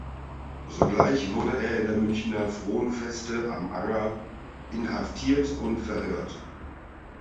Sogleich wurde er in der Münchner Fronfeste am Anger inhaftiert und verhört.